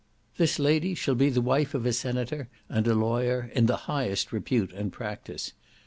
This lady shall be the wife of a senator and a lawyer in the highest repute and practice.